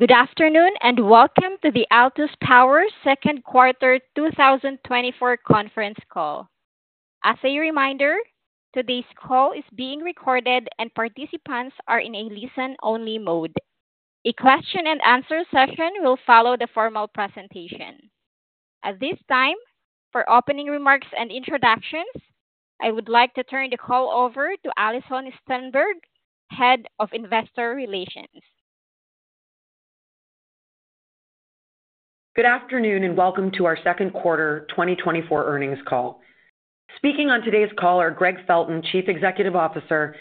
Good afternoon, and welcome to the Altus Power Second Quarter 2024 conference call. As a reminder, today's call is being recorded and participants are in a listen-only mode. A question and answer session will follow the formal presentation. At this time, for opening remarks and introductions, I would like to turn the call over to Alison Sternberg, Head of Investor Relations. Good afternoon, and welcome to our second quarter 2024 earnings call. Speaking on today's call are Gregg Felton, Chief Executive Officer,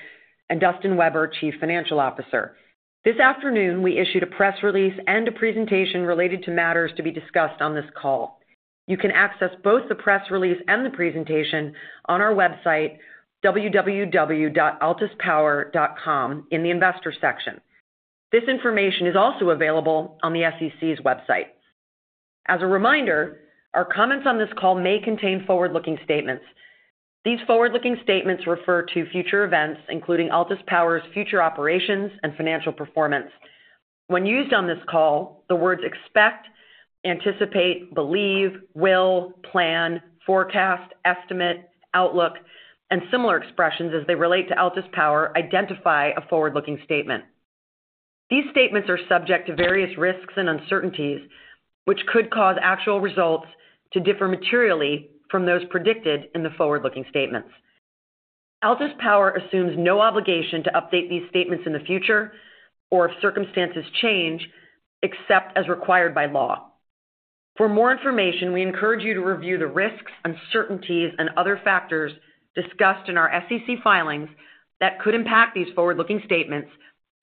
and Dustin Weber, Chief Financial Officer. This afternoon, we issued a press release and a presentation related to matters to be discussed on this call. You can access both the press release and the presentation on our website, www.altuspower.com, in the Investor section. This information is also available on the SEC's website. As a reminder, our comments on this call may contain forward-looking statements. These forward-looking statements refer to future events, including Altus Power's future operations and financial performance. When used on this call, the words expect, anticipate, believe, will, plan, forecast, estimate, outlook, and similar expressions as they relate to Altus Power, identify a forward-looking statement. These statements are subject to various risks and uncertainties, which could cause actual results to differ materially from those predicted in the forward-looking statements. Altus Power assumes no obligation to update these statements in the future or if circumstances change, except as required by law. For more information, we encourage you to review the risks, uncertainties, and other factors discussed in our SEC filings that could impact these forward-looking statements,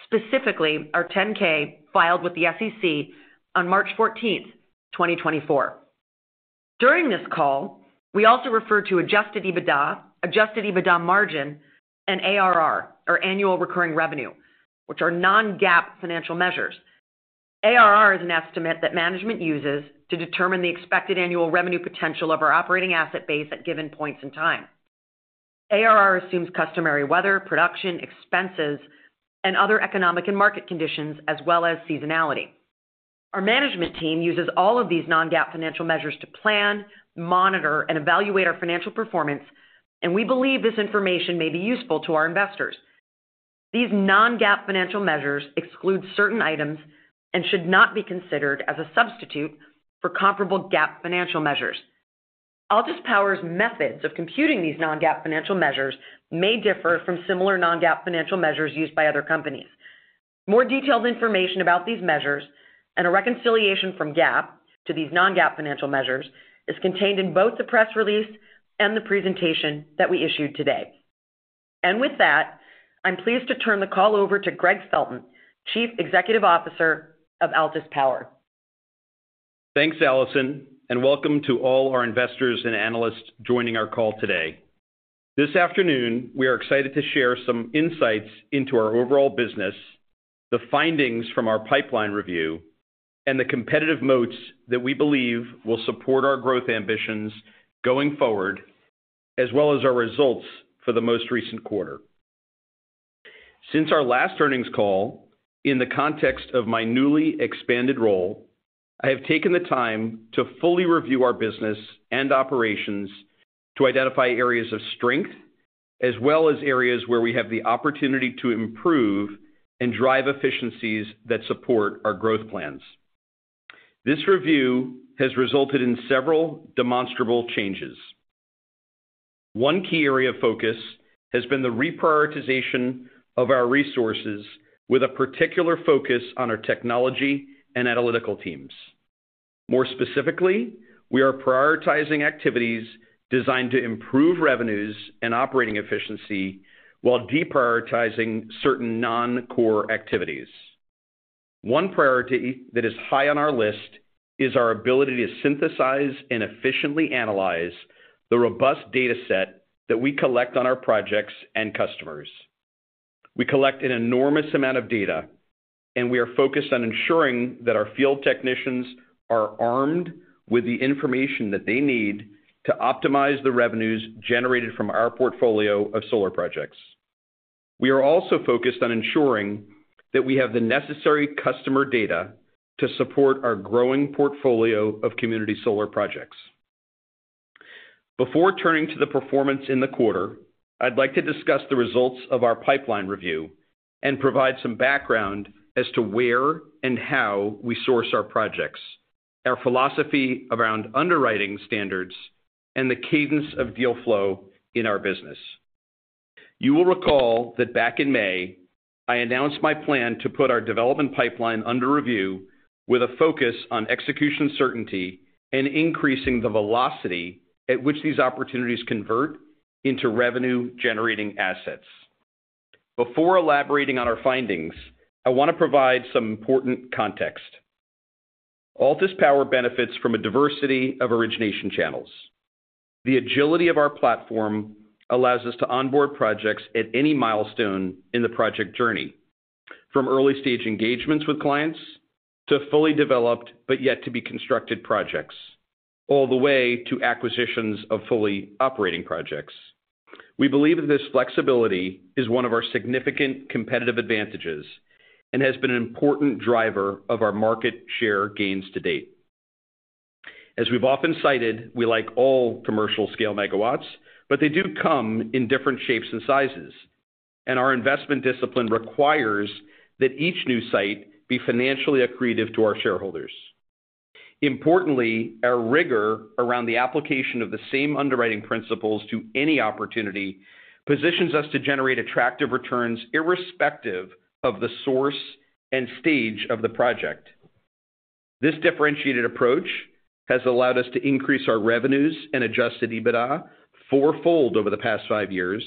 specifically our 10-K filed with the SEC on March 14th, 2024. During this call, we also refer to Adjusted EBITDA, Adjusted EBITDA Margin, and ARR, or Annual Recurring Revenue, which are non-GAAP financial measures. ARR is an estimate that management uses to determine the expected annual revenue potential of our operating asset base at given points in time. ARR assumes customary weather, production, expenses, and other economic and market conditions, as well as seasonality. Our management team uses all of these non-GAAP financial measures to plan, monitor, and evaluate our financial performance, and we believe this information may be useful to our investors. These non-GAAP financial measures exclude certain items and should not be considered as a substitute for comparable GAAP financial measures. Altus Power's methods of computing these non-GAAP financial measures may differ from similar non-GAAP financial measures used by other companies. More detailed information about these measures and a reconciliation from GAAP to these non-GAAP financial measures is contained in both the press release and the presentation that we issued today. With that, I'm pleased to turn the call over to Gregg Felton, Chief Executive Officer of Altus Power. Thanks, Alison, and welcome to all our investors and analysts joining our call today. This afternoon, we are excited to share some insights into our overall business, the findings from our pipeline review, and the competitive moats that we believe will support our growth ambitions going forward, as well as our results for the most recent quarter. Since our last earnings call, in the context of my newly expanded role, I have taken the time to fully review our business and operations to identify areas of strength, as well as areas where we have the opportunity to improve and drive efficiencies that support our growth plans. This review has resulted in several demonstrable changes. One key area of focus has been the reprioritization of our resources with a particular focus on our technology and analytical teams. More specifically, we are prioritizing activities designed to improve revenues and operating efficiency while deprioritizing certain non-core activities. One priority that is high on our list is our ability to synthesize and efficiently analyze the robust data set that we collect on our projects and customers. We collect an enormous amount of data, and we are focused on ensuring that our field technicians are armed with the information that they need to optimize the revenues generated from our portfolio of solar projects. We are also focused on ensuring that we have the necessary customer data to support our growing portfolio of community solar projects. Before turning to the performance in the quarter, I'd like to discuss the results of our pipeline review and provide some background as to where and how we source our projects, our philosophy around underwriting standards, and the cadence of deal flow in our business. You will recall that back in May, I announced my plan to put our development pipeline under review with a focus on execution certainty and increasing the velocity at which these opportunities convert into revenue-generating assets. Before elaborating on our findings, I want to provide some important context. Altus Power benefits from a diversity of origination channels. The agility of our platform allows us to onboard projects at any milestone in the project journey, from early-stage engagements with clients to fully developed, but yet to be constructed projects, all the way to acquisitions of fully operating projects.... We believe that this flexibility is one of our significant competitive advantages and has been an important driver of our market share gains to date. As we've often cited, we like all commercial scale megawatts, but they do come in different shapes and sizes, and our investment discipline requires that each new site be financially accretive to our shareholders. Importantly, our rigor around the application of the same underwriting principles to any opportunity, positions us to generate attractive returns, irrespective of the source and stage of the project. This differentiated approach has allowed us to increase our revenues and Adjusted EBITDA fourfold over the past 5 years,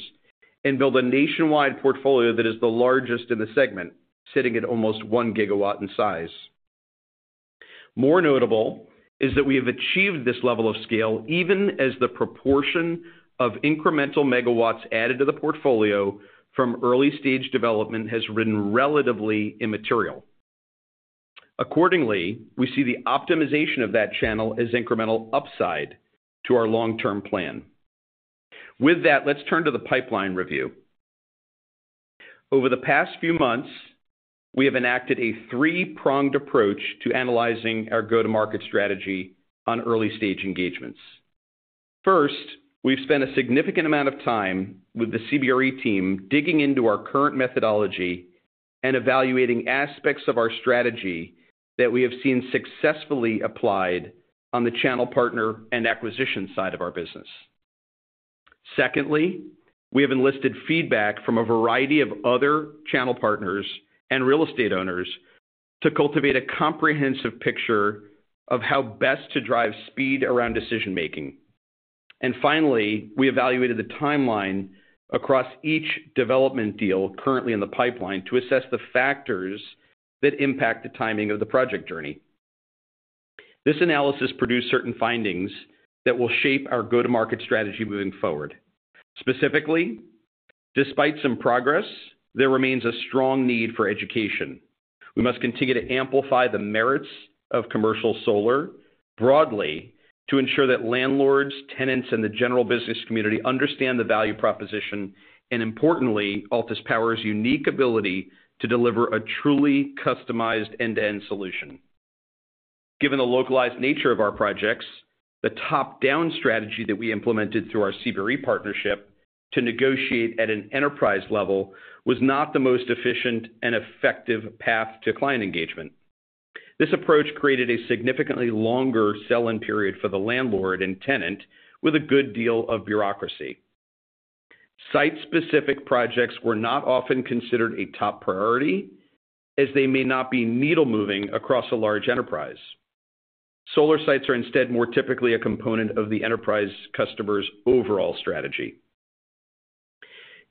and build a nationwide portfolio that is the largest in the segment, sitting at almost 1 gigawatt in size. More notable is that we have achieved this level of scale, even as the proportion of incremental megawatts added to the portfolio from early-stage development has remained relatively immaterial. Accordingly, we see the optimization of that channel as incremental upside to our long-term plan. With that, let's turn to the pipeline review. Over the past few months, we have enacted a three-pronged approach to analyzing our go-to-market strategy on early-stage engagements. First, we've spent a significant amount of time with the CBRE team, digging into our current methodology and evaluating aspects of our strategy that we have seen successfully applied on the channel partner and acquisition side of our business. Secondly, we have enlisted feedback from a variety of other channel partners and real estate owners to cultivate a comprehensive picture of how best to drive speed around decision making. And finally, we evaluated the timeline across each development deal currently in the pipeline, to assess the factors that impact the timing of the project journey. This analysis produced certain findings that will shape our go-to-market strategy moving forward. Specifically, despite some progress, there remains a strong need for education. We must continue to amplify the merits of commercial solar broadly, to ensure that landlords, tenants, and the general business community understand the value proposition, and importantly, Altus Power's unique ability to deliver a truly customized end-to-end solution. Given the localized nature of our projects, the top-down strategy that we implemented through our CBRE partnership to negotiate at an enterprise level, was not the most efficient and effective path to client engagement. This approach created a significantly longer sell-in period for the landlord and tenant with a good deal of bureaucracy. Site-specific projects were not often considered a top priority, as they may not be needle-moving across a large enterprise. Solar sites are instead more typically a component of the enterprise customer's overall strategy.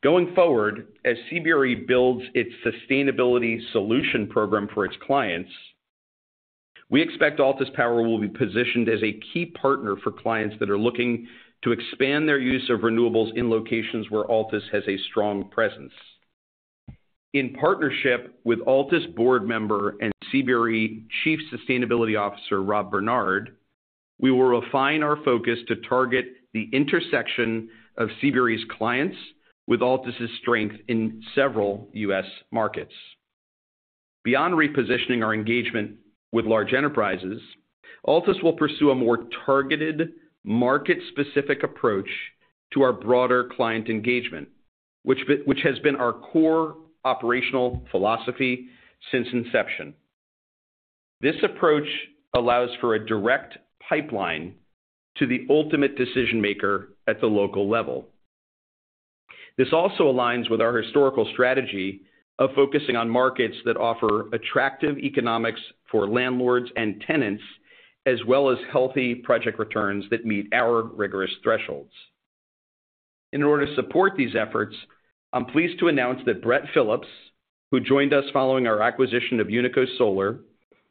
Going forward, as CBRE builds its sustainability solution program for its clients, we expect Altus Power will be positioned as a key partner for clients that are looking to expand their use of renewables in locations where Altus has a strong presence. In partnership with Altus board member and CBRE Chief Sustainability Officer, Rob Bernard, we will refine our focus to target the intersection of CBRE's clients with Altus's strength in several US markets. Beyond repositioning our engagement with large enterprises, Altus will pursue a more targeted, market-specific approach to our broader client engagement, which has been our core operational philosophy since inception. This approach allows for a direct pipeline to the ultimate decision maker at the local level. This also aligns with our historical strategy of focusing on markets that offer attractive economics for landlords and tenants, as well as healthy project returns that meet our rigorous thresholds. In order to support these efforts, I'm pleased to announce that Brett Phillips, who joined us following our acquisition of Unico Solar,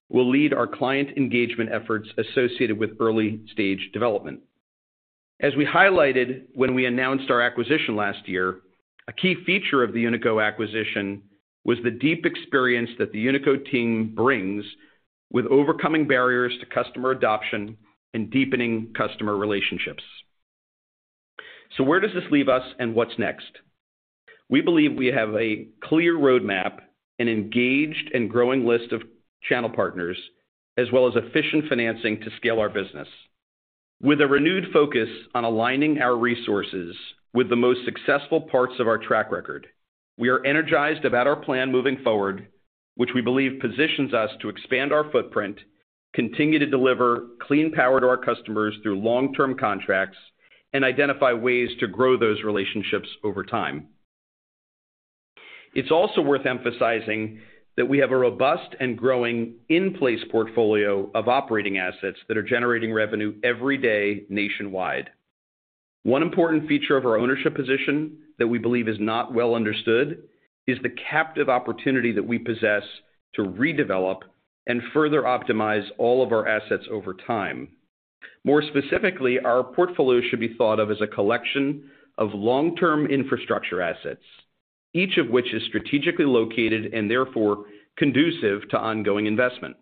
will lead our client engagement efforts associated with early-stage development. As we highlighted when we announced our acquisition last year, a key feature of the Unico acquisition was the deep experience that the Unico team brings with overcoming barriers to customer adoption and deepening customer relationships. So where does this leave us, and what's next? We believe we have a clear roadmap, an engaged and growing list of channel partners, as well as efficient financing to scale our business. With a renewed focus on aligning our resources with the most successful parts of our track record, we are energized about our plan moving forward, which we believe positions us to expand our footprint, continue to deliver clean power to our customers through long-term contracts, and identify ways to grow those relationships over time. It's also worth emphasizing that we have a robust and growing in-place portfolio of operating assets that are generating revenue every day nationwide. One important feature of our ownership position that we believe is not well understood, is the captive opportunity that we possess to redevelop and further optimize all of our assets over time. More specifically, our portfolio should be thought of as a collection of long-term infrastructure assets, each of which is strategically located and therefore conducive to ongoing investment....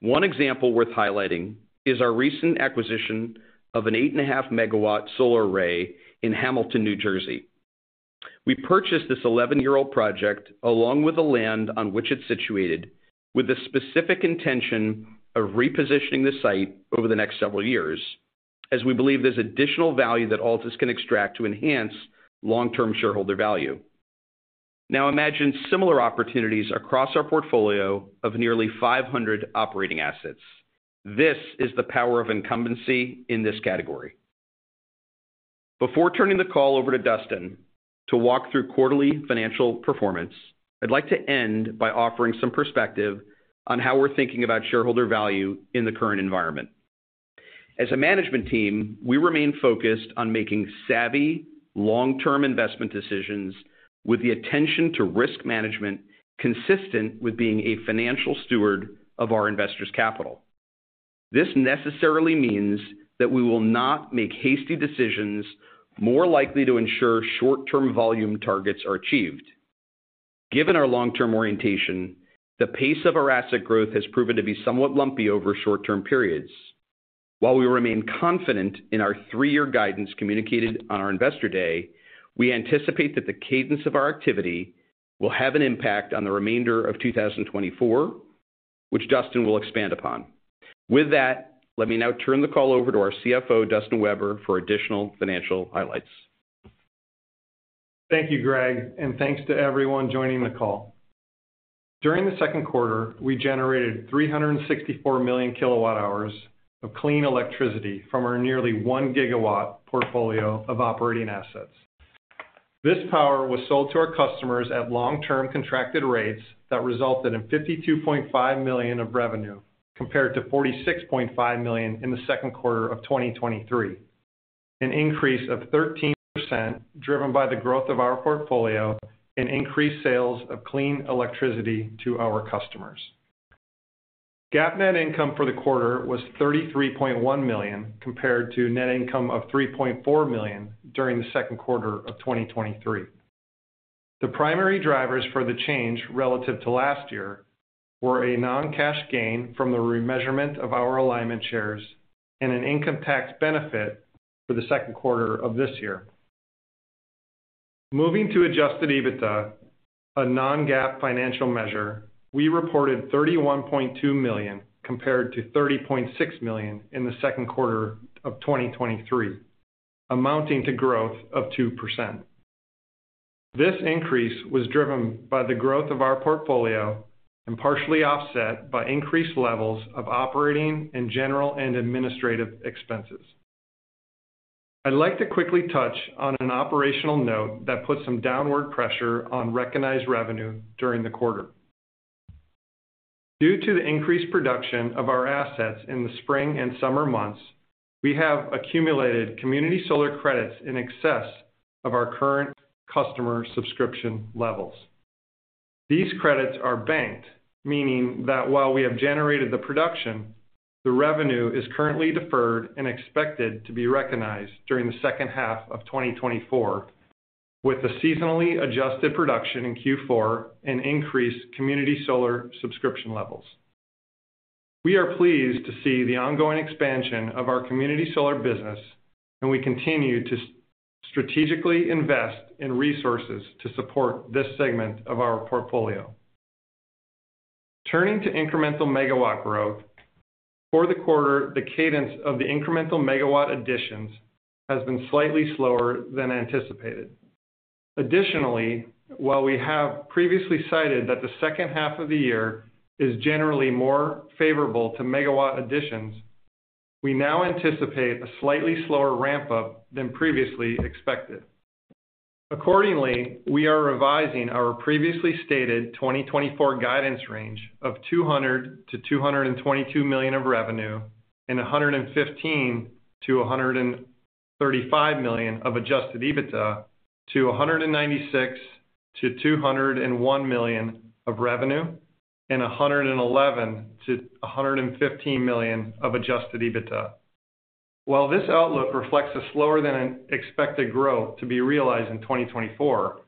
One example worth highlighting is our recent acquisition of an 8.5-megawatt solar array in Hamilton, New Jersey. We purchased this 11-year-old project, along with the land on which it's situated, with the specific intention of repositioning the site over the next several years, as we believe there's additional value that Altus can extract to enhance long-term shareholder value. Now, imagine similar opportunities across our portfolio of nearly 500 operating assets. This is the power of incumbency in this category. Before turning the call over to Dustin to walk through quarterly financial performance, I'd like to end by offering some perspective on how we're thinking about shareholder value in the current environment. As a management team, we remain focused on making savvy, long-term investment decisions with the attention to risk management, consistent with being a financial steward of our investors' capital. This necessarily means that we will not make hasty decisions more likely to ensure short-term volume targets are achieved. Given our long-term orientation, the pace of our asset growth has proven to be somewhat lumpy over short-term periods. While we remain confident in our three-year guidance communicated on our Investor Day, we anticipate that the cadence of our activity will have an impact on the remainder of 2024, which Dustin will expand upon. With that, let me now turn the call over to our CFO, Dustin Weber, for additional financial highlights. Thank you, Greg, and thanks to everyone joining the call. During the second quarter, we generated 364 million kWh of clean electricity from our nearly 1 GW portfolio of operating assets. This power was sold to our customers at long-term contracted rates that resulted in $52.5 million of revenue, compared to $46.5 million in the second quarter of 2023, an increase of 13%, driven by the growth of our portfolio and increased sales of clean electricity to our customers. GAAP net income for the quarter was $33.1 million, compared to net income of $3.4 million during the second quarter of 2023. The primary drivers for the change relative to last year were a non-cash gain from the remeasurement of our Alignment Shares and an income tax benefit for the second quarter of this year. Moving to Adjusted EBITDA, a non-GAAP financial measure, we reported $31.2 million, compared to $30.6 million in the second quarter of 2023, amounting to growth of 2%. This increase was driven by the growth of our portfolio and partially offset by increased levels of operating and general and administrative expenses. I'd like to quickly touch on an operational note that put some downward pressure on recognized revenue during the quarter. Due to the increased production of our assets in the spring and summer months, we have accumulated community solar credits in excess of our current customer subscription levels. These credits are banked, meaning that while we have generated the production, the revenue is currently deferred and expected to be recognized during the second half of 2024, with the seasonally adjusted production in Q4 and increased community solar subscription levels. We are pleased to see the ongoing expansion of our community solar business, and we continue to strategically invest in resources to support this segment of our portfolio. Turning to incremental megawatt growth, for the quarter, the cadence of the incremental megawatt additions has been slightly slower than anticipated. Additionally, while we have previously cited that the second half of the year is generally more favorable to megawatt additions, we now anticipate a slightly slower ramp-up than previously expected. Accordingly, we are revising our previously stated 2024 guidance range of $200 million-$222 million of revenue and $115 million-$135 million of Adjusted EBITDA to $196 million-$201 million of revenue and $111 million-$115 million of Adjusted EBITDA. While this outlook reflects a slower than expected growth to be realized in 2024,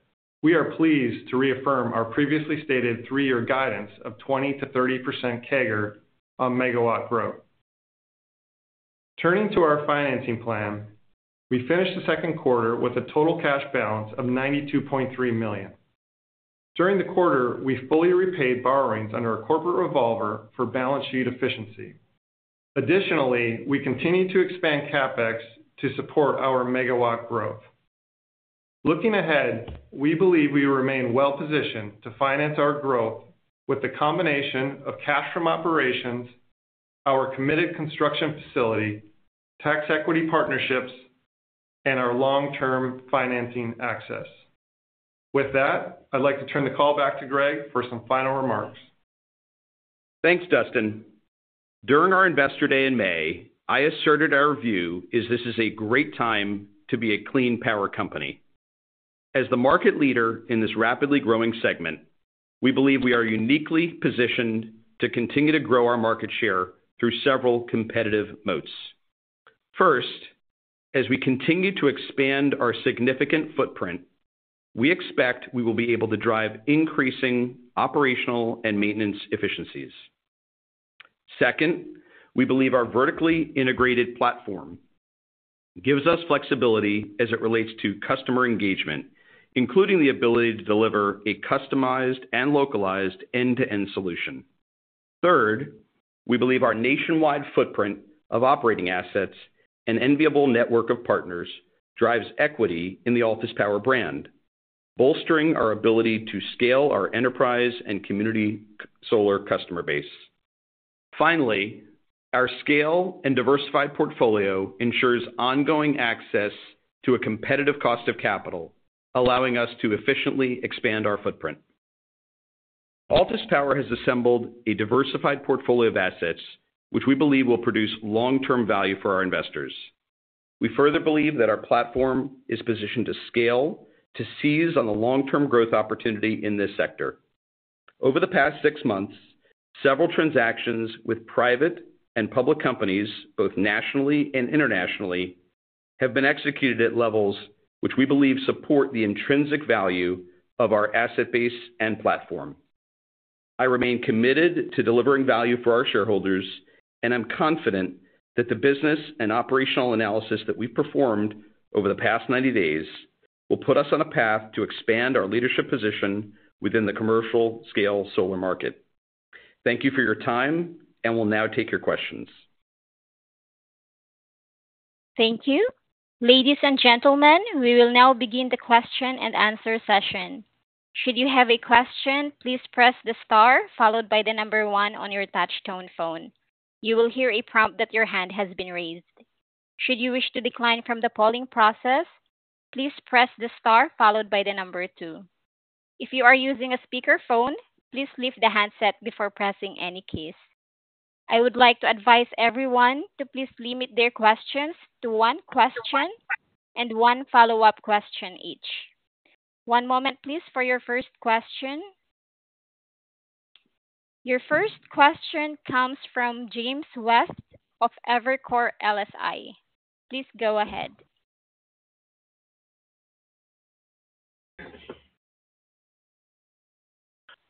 we are pleased to reaffirm our previously stated three-year guidance of 20%-30% CAGR on megawatt growth. Turning to our financing plan, we finished the second quarter with a total cash balance of $92.3 million. During the quarter, we fully repaid borrowings under our Corporate Revolver for balance sheet efficiency. Additionally, we continued to expand CapEx to support our megawatt growth. Looking ahead, we believe we remain well positioned to finance our growth with the combination of cash from operations, our committed Construction Facility, Tax Equity Partnerships, and our long-term financing access. With that, I'd like to turn the call back to Greg for some final remarks. Thanks, Dustin. During our Investor Day in May, I asserted our view is this is a great time to be a clean power company. As the market leader in this rapidly growing segment, we believe we are uniquely positioned to continue to grow our market share through several competitive moats. First, as we continue to expand our significant footprint, we expect we will be able to drive increasing operational and maintenance efficiencies. Second, we believe our vertically integrated platform gives us flexibility as it relates to customer engagement, including the ability to deliver a customized and localized end-to-end solution. Third, we believe our nationwide footprint of operating assets and enviable network of partners drives equity in the Altus Power brand, bolstering our ability to scale our enterprise and community solar customer base. Finally, our scale and diversified portfolio ensures ongoing access to a competitive cost of capital, allowing us to efficiently expand our footprint. Altus Power has assembled a diversified portfolio of assets, which we believe will produce long-term value for our investors. We further believe that our platform is positioned to scale, to seize on the long-term growth opportunity in this sector. Over the past six months, several transactions with private and public companies, both nationally and internationally, have been executed at levels which we believe support the intrinsic value of our asset base and platform. I remain committed to delivering value for our shareholders, and I'm confident that the business and operational analysis that we've performed over the past ninety days will put us on a path to expand our leadership position within the commercial scale solar market. Thank you for your time, and we'll now take your questions. Thank you. Ladies and gentlemen, we will now begin the question and answer session. Should you have a question, please press the star followed by the number one on your touch-tone phone. You will hear a prompt that your hand has been raised. Should you wish to decline from the polling process, please press the star followed by the number two. If you are using a speakerphone, please leave the handset before pressing any keys. I would like to advise everyone to please limit their questions to one question and one follow-up question each. One moment, please, for your first question. Your first question comes from James West of Evercore ISI. Please go ahead.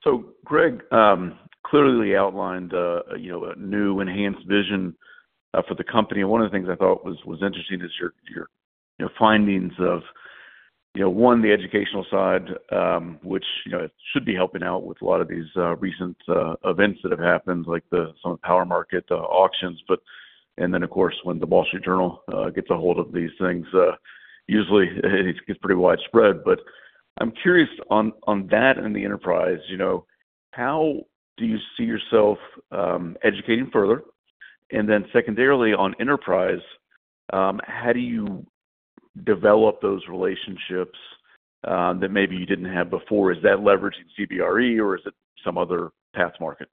So, Greg clearly outlined, you know, a new enhanced vision for the company. One of the things I thought was interesting is your, you know, findings of, you know, one, the educational side, which, you know, should be helping out with a lot of these recent events that have happened, like some of the power market auctions. But and then, of course, when the Wall Street Journal gets a hold of these things, usually it gets pretty widespread. But I'm curious on that and the enterprise, you know, how do you see yourself educating further? And then secondarily, on enterprise, how do you develop those relationships that maybe you didn't have before? Is that leveraging CBRE or is it some other path market?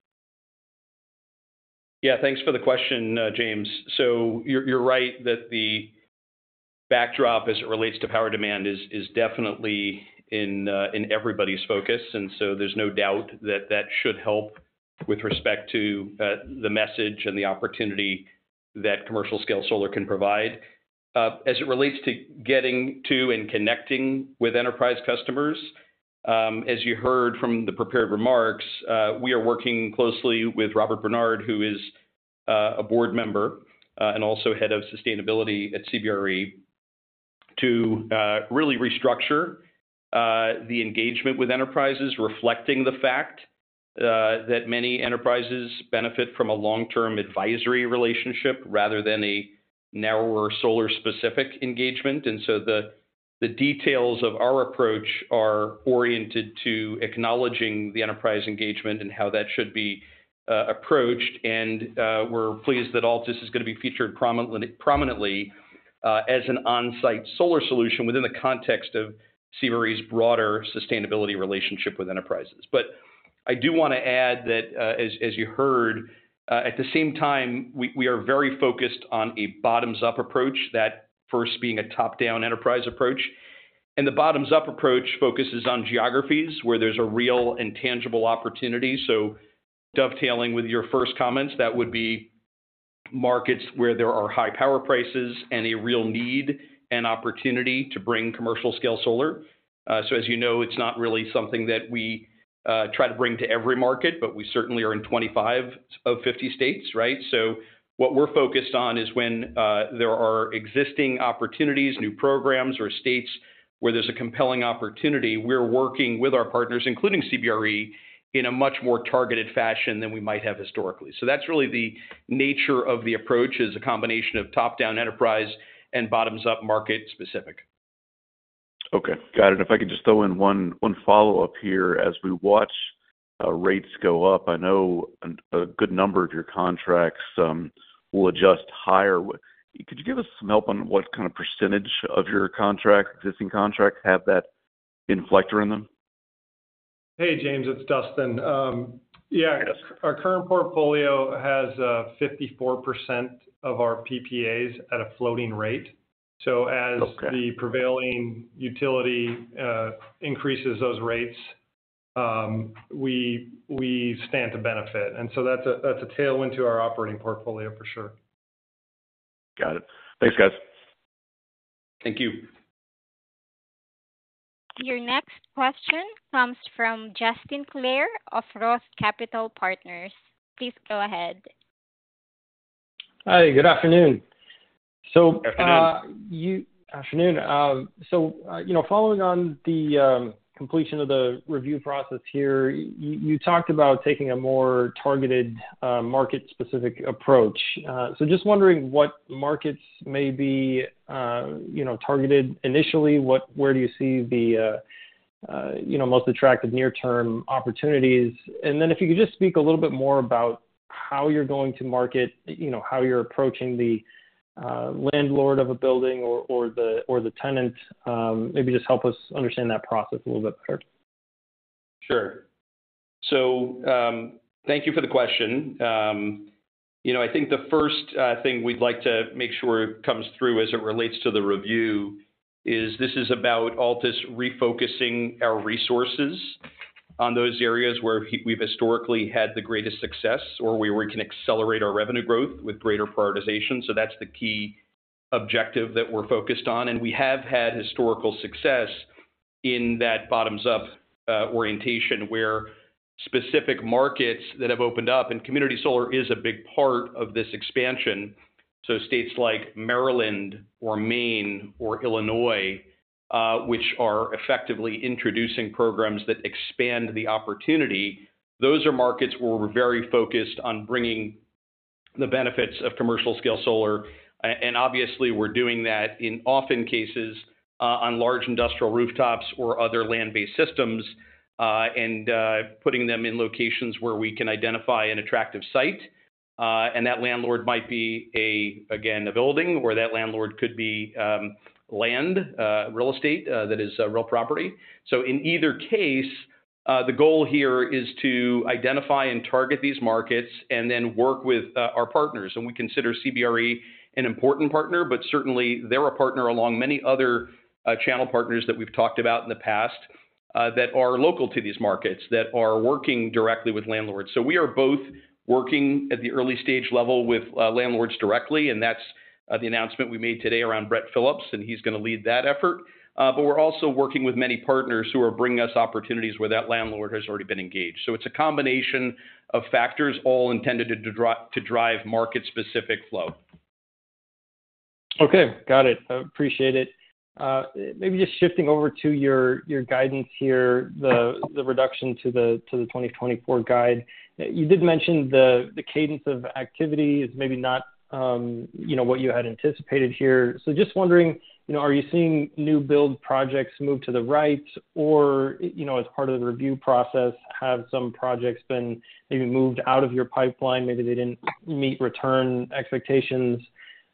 Yeah, thanks for the question, James. So you're right that the backdrop as it relates to power demand is definitely in everybody's focus, and so there's no doubt that that should help with respect to the message and the opportunity that commercial scale solar can provide. As it relates to getting to and connecting with enterprise customers, as you heard from the prepared remarks, we are working closely with Robert Bernard, who is a board member, and also head of sustainability at CBRE, to really restructure the engagement with enterprises, reflecting the fact that many enterprises benefit from a long-term advisory relationship rather than a narrower solar-specific engagement. And so the details of our approach are oriented to acknowledging the enterprise engagement and how that should be approached. We're pleased that Altus is gonna be featured prominently as an on-site solar solution within the context of CBRE's broader sustainability relationship with enterprises. But I do wanna add that, as you heard, at the same time, we are very focused on a bottoms-up approach, that first being a top-down enterprise approach. The bottoms-up approach focuses on geographies where there's a real and tangible opportunity. Dovetailing with your first comments, that would be markets where there are high power prices and a real need and opportunity to bring commercial scale solar. As you know, it's not really something that we try to bring to every market, but we certainly are in 25 of 50 states, right? So what we're focused on is when there are existing opportunities, new programs, or states where there's a compelling opportunity, we're working with our partners, including CBRE, in a much more targeted fashion than we might have historically. That's really the nature of the approach, is a combination of top-down enterprise and bottoms-up market specific. Okay. Got it. If I could just throw in one follow-up here. As we watch rates go up, I know a good number of your contracts will adjust higher. Could you give us some help on what kind of percentage of your contract, existing contract, have that inflator in them? Hey, James, it's Dustin. Yeah, our current portfolio has 54% of our PPAs at a floating rate. Okay. So as the prevailing utility increases those rates. We stand to benefit. And so that's a tailwind to our operating portfolio for sure. Got it. Thanks, guys. Thank you. Your next question comes from Justin Clare of Roth Capital Partners. Please go ahead. Hi, good afternoon. So, Afternoon. Afternoon. So, you know, following on the completion of the review process here, you talked about taking a more targeted, market-specific approach. So just wondering what markets may be, you know, targeted initially. Where do you see the, you know, most attractive near-term opportunities? And then if you could just speak a little bit more about how you're going to market, you know, how you're approaching the landlord of a building or the tenant. Maybe just help us understand that process a little bit better. Sure. So, thank you for the question. You know, I think the first thing we'd like to make sure comes through as it relates to the review, is this is about Altus refocusing our resources on those areas where we, we've historically had the greatest success, or where we can accelerate our revenue growth with greater prioritization. So that's the key objective that we're focused on. And we have had historical success in that bottoms up, orientation, where specific markets that have opened up, and community solar is a big part of this expansion. So states like Maryland or Maine or Illinois, which are effectively introducing programs that expand the opportunity, those are markets where we're very focused on bringing the benefits of commercial-scale solar. Obviously, we're doing that oftentimes on large industrial rooftops or other land-based systems, and putting them in locations where we can identify an attractive site. That landlord might be, again, a building, or that landlord could be land, real estate, that is a real property. So in either case, the goal here is to identify and target these markets and then work with our partners. We consider CBRE an important partner, but certainly they're a partner along many other channel partners that we've talked about in the past that are local to these markets that are working directly with landlords. So we are both working at the early stage level with landlords directly, and that's the announcement we made today around Brett Phillips, and he's gonna lead that effort. But we're also working with many partners who are bringing us opportunities where that landlord has already been engaged. So it's a combination of factors, all intended to drive market-specific flow. Okay, got it. I appreciate it. Maybe just shifting over to your guidance here, the reduction to the 2024 guide. You did mention the cadence of activity is maybe not, you know, what you had anticipated here. So just wondering, you know, are you seeing new build projects move to the right, or, you know, as part of the review process, have some projects been maybe moved out of your pipeline? Maybe they didn't meet return expectations.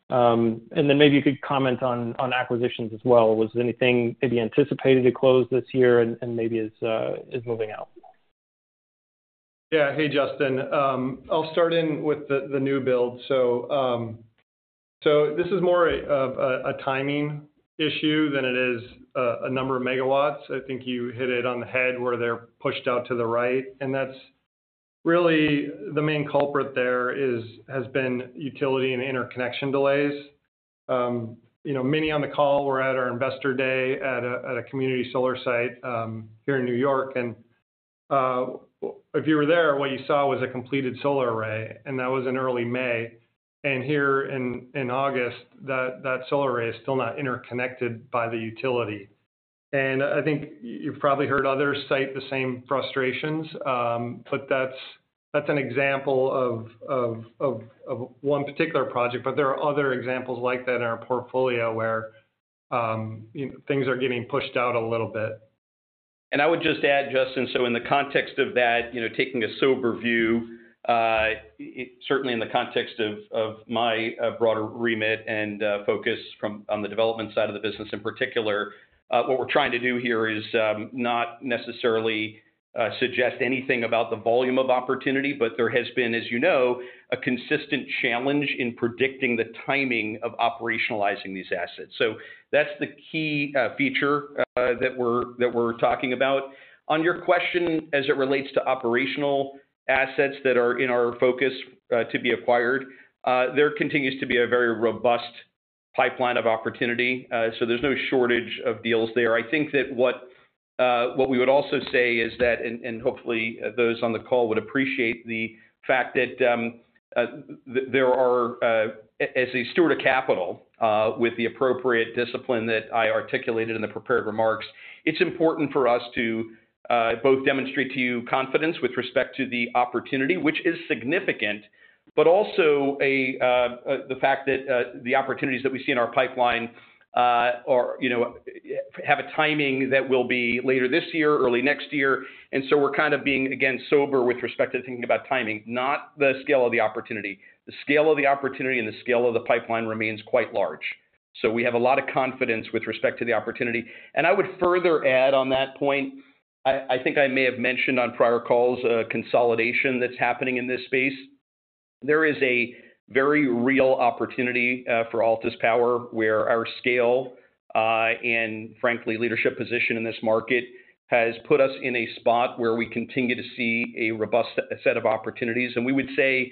And then maybe you could comment on acquisitions as well. Was anything maybe anticipated to close this year and maybe is moving out? Yeah. Hey, Justin. I'll start in with the new build. So this is more of a timing issue than it is a number of megawatts. I think you hit it on the head where they're pushed out to the right, and that's really the main culprit there has been utility and interconnection delays. You know, many on the call were at our investor day at a community solar site here in New York. And if you were there, what you saw was a completed solar array, and that was in early May. And here in August, that solar array is still not interconnected by the utility. I think you've probably heard others cite the same frustrations, but that's an example of one particular project, but there are other examples like that in our portfolio where things are getting pushed out a little bit. And I would just add, Justin, so in the context of that, you know, taking a sober view, certainly in the context of my broader remit and focus on the development side of the business in particular, what we're trying to do here is not necessarily suggest anything about the volume of opportunity, but there has been, as you know, a consistent challenge in predicting the timing of operationalizing these assets. So that's the key feature that we're talking about. On your question, as it relates to operational assets that are in our focus to be acquired, there continues to be a very robust pipeline of opportunity. So there's no shortage of deals there. I think that what we would also say is that and hopefully those on the call would appreciate the fact that there are as a steward of capital with the appropriate discipline that I articulated in the prepared remarks, it's important for us to both demonstrate to you confidence with respect to the opportunity, which is significant, but also the fact that the opportunities that we see in our pipeline are, you know, have a timing that will be later this year, early next year. And so we're kind of being, again, sober with respect to thinking about timing, not the scale of the opportunity. The scale of the opportunity and the scale of the pipeline remains quite large. So we have a lot of confidence with respect to the opportunity. And I would further add on that point, I think I may have mentioned on prior calls, consolidation that's happening in this space. There is a very real opportunity for Altus Power, where our scale and frankly, leadership position in this market, has put us in a spot where we continue to see a robust set of opportunities. And we would say,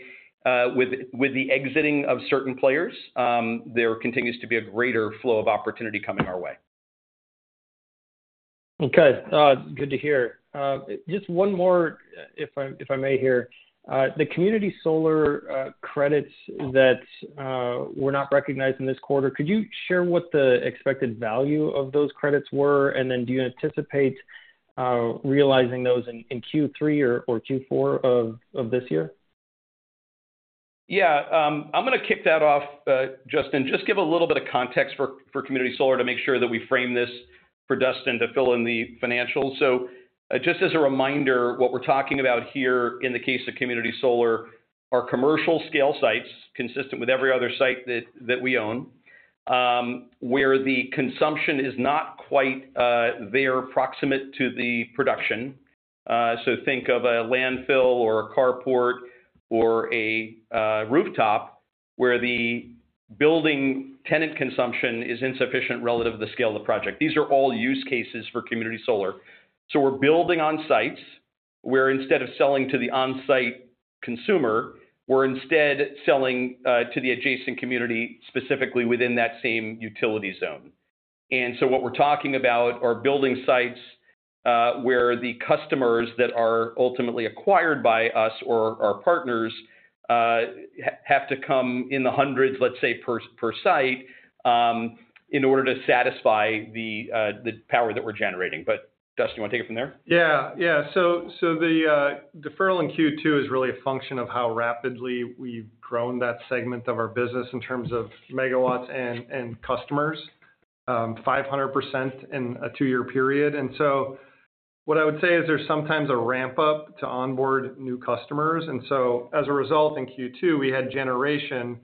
with the exiting of certain players, there continues to be a greater flow of opportunity coming our way. Okay. Good to hear. Just one more, if I may here. The Community Solar credits that were not recognized in this quarter, could you share what the expected value of those credits were? And then do you anticipate realizing those in Q3 or Q4 of this year? Yeah. I'm gonna kick that off, Justin, just give a little bit of context for community solar to make sure that we frame this for Dustin to fill in the financials. So just as a reminder, what we're talking about here in the case of community solar are commercial scale sites, consistent with every other site that we own, where the consumption is not quite there proximate to the production. So think of a landfill or a carport or a rooftop, where the building tenant consumption is insufficient relative to the scale of the project. These are all use cases for community solar. So we're building on sites where instead of selling to the on-site consumer, we're instead selling to the adjacent community, specifically within that same utility zone. So what we're talking about are building sites, where the customers that are ultimately acquired by us or our partners have to come in the hundreds, let's say, per site, in order to satisfy the power that we're generating. But Dustin, you wanna take it from there? Yeah. Yeah. So, the deferral in Q2 is really a function of how rapidly we've grown that segment of our business in terms of megawatts and customers, 500% in a two-year period. And so what I would say is there's sometimes a ramp-up to onboard new customers, and so as a result, in Q2, we had generation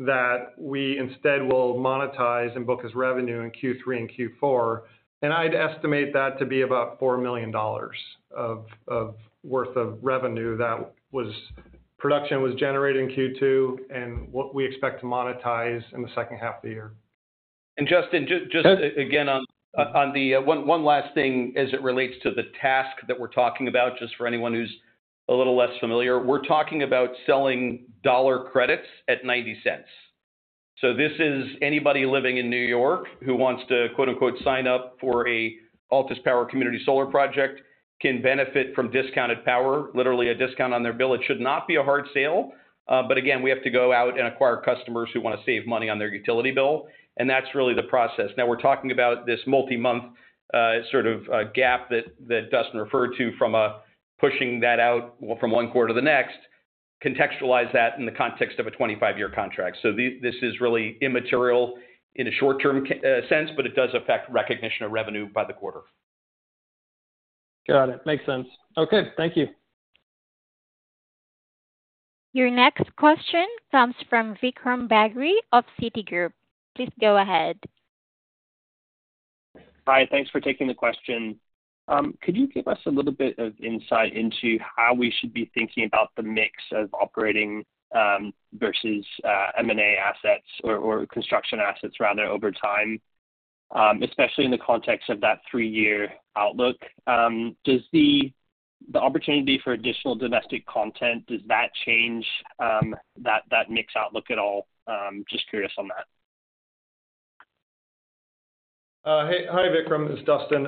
that we instead will monetize and book as revenue in Q3 and Q4. And I'd estimate that to be about $4 million worth of revenue that production was generated in Q2, and what we expect to monetize in the second half of the year. And Justin, Yeah Again on the one last thing as it relates to the task that we're talking about, just for anyone who's a little less familiar. We're talking about selling $1 credits at $0.90. So this is anybody living in New York who wants to, quote unquote, “sign up” for a Altus Power community solar project, can benefit from discounted power, literally a discount on their bill. It should not be a hard sale, but again, we have to go out and acquire customers who want to save money on their utility bill, and that's really the process. Now, we're talking about this multi-month sort of gap that Dustin referred to from pushing that out from one quarter to the next, contextualize that in the context of a 25-year contract. So this is really immaterial in a short-term sense, but it does affect recognition of revenue by the quarter. Got it. Makes sense. Okay, thank you. Your next question comes from Vikram Bagri of Citigroup. Please go ahead. Hi, thanks for taking the question. Could you give us a little bit of insight into how we should be thinking about the mix of operating versus M&A assets or construction assets, rather, over time, especially in the context of that three-year outlook? Does the opportunity for additional domestic content change that mix outlook at all? Just curious on that. Hey, hi, Vikram, this is Dustin.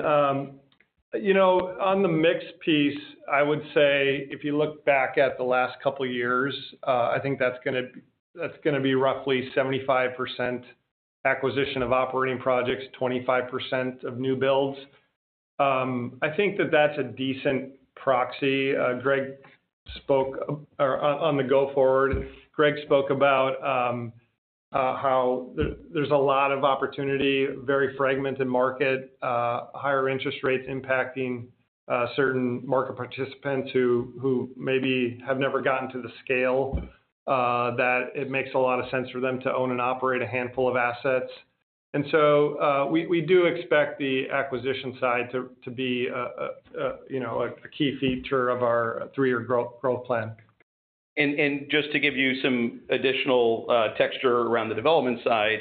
You know, on the mix piece, I would say, if you look back at the last couple of years, I think that's gonna, that's gonna be roughly 75% acquisition of operating projects, 25% of new builds. I think that that's a decent proxy. Greg spoke... Or on the go forward, Greg spoke about how there, there's a lot of opportunity, very fragmented market, higher interest rates impacting certain market participants who, who maybe have never gotten to the scale that it makes a lot of sense for them to own and operate a handful of assets. And so, we, we do expect the acquisition side to, to be, you know, a, a key feature of our three-year growth, growth plan. Just to give you some additional texture around the development side,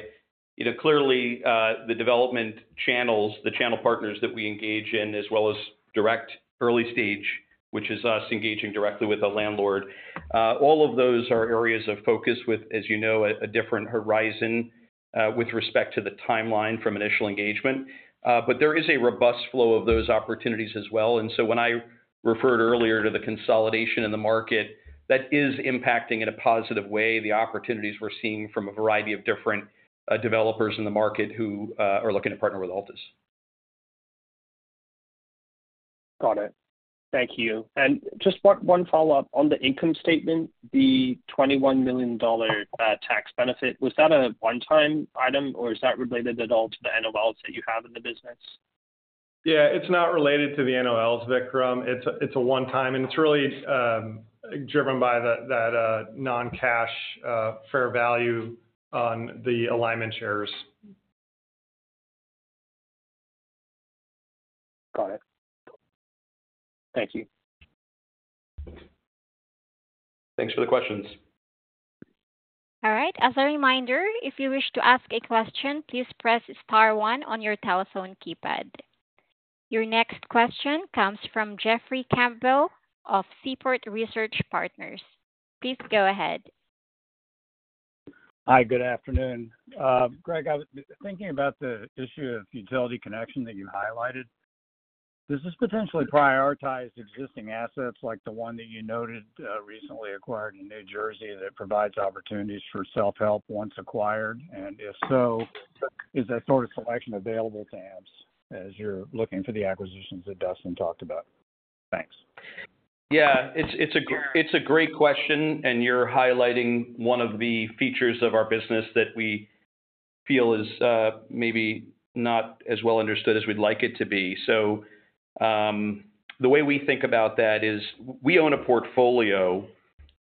you know, clearly, the development channels, the channel partners that we engage in, as well as direct early stage, which is us engaging directly with the landlord, all of those are areas of focus with, as you know, a different horizon with respect to the timeline from initial engagement. But there is a robust flow of those opportunities as well. So when I referred earlier to the consolidation in the market, that is impacting in a positive way the opportunities we're seeing from a variety of different developers in the market who are looking to partner with Altus. Got it. Thank you. And just one follow-up on the income statement, the $21 million tax benefit, was that a one-time item, or is that related at all to the NOLs that you have in the business? Yeah, it's not related to the NOLs, Vikram. It's a one-time, and it's really driven by non-cash fair value on the Alignment Shares. Thank you. Thanks for the questions. All right. As a reminder, if you wish to ask a question, please press star one on your telephone keypad. Your next question comes from Jeffrey Campbell of Seaport Research Partners. Please go ahead. Hi, good afternoon. Greg, I was thinking about the issue of utility connection that you highlighted. Does this potentially prioritize existing assets like the one that you noted, recently acquired in New Jersey, that provides opportunities for self-help once acquired? And if so, is that sort of selection available to ABS as you're looking for the acquisitions that Dustin talked about? Thanks. Yeah, it's a great question, and you're highlighting one of the features of our business that we feel is maybe not as well understood as we'd like it to be. So, the way we think about that is we own a portfolio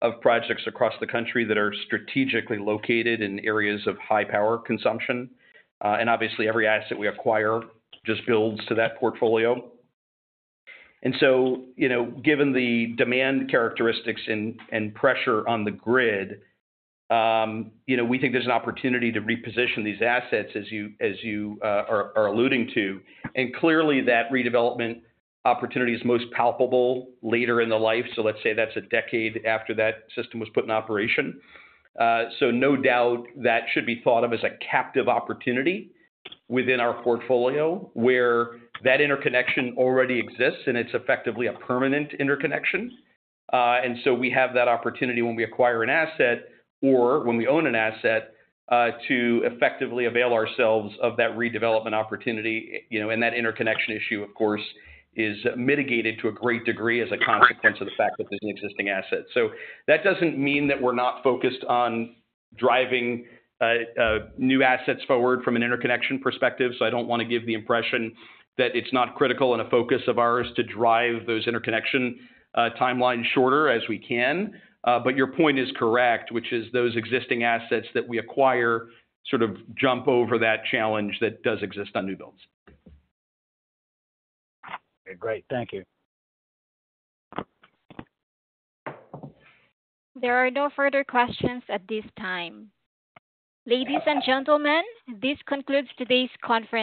of projects across the country that are strategically located in areas of high power consumption. And obviously, every asset we acquire just builds to that portfolio. And so, you know, given the demand characteristics and pressure on the grid, you know, we think there's an opportunity to reposition these assets as you are alluding to. And clearly, that redevelopment opportunity is most palpable later in the life, so let's say that's a decade after that system was put in operation. So no doubt, that should be thought of as a captive opportunity within our portfolio, where that interconnection already exists, and it's effectively a permanent interconnection. And so we have that opportunity when we acquire an asset or when we own an asset, to effectively avail ourselves of that redevelopment opportunity. You know, and that interconnection issue, of course, is mitigated to a great degree as a consequence of the fact that there's an existing asset. So that doesn't mean that we're not focused on driving new assets forward from an interconnection perspective, so I don't wanna give the impression that it's not critical and a focus of ours to drive those interconnection timelines shorter as we can. But your point is correct, which is those existing assets that we acquire, sort of, jump over that challenge that does exist on new builds. Okay, great. Thank you. There are no further questions at this time. Ladies and gentlemen, this concludes today's conference...